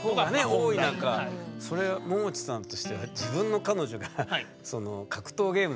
それももちさんとしては自分の彼女が格闘ゲーム